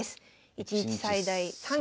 １日最大３局。